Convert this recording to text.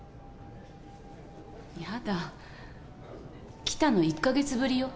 やだ、来たの１か月ぶりよ。